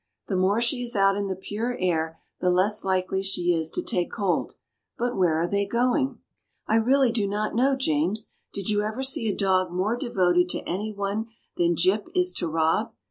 "The more she is out in the pure air, the less likely she is to take cold; but where are they going?" "I really do not know, James. Did you ever see a dog more devoted to any one than Jip is to Rob?